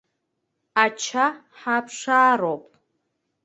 Ача ҳаԥшаароуп.